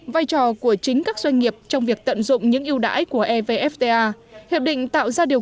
vai trò của chính các doanh nghiệp trong việc tận dụng những yêu đãi của evfta hiệp định tạo ra điều